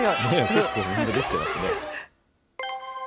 結構みんなできてますね。